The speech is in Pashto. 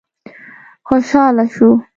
خوشاله شو.